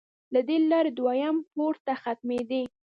له دې لارې دویم پوړ ته ختمېدې.